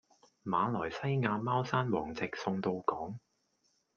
馬來西亞貓山王直送到港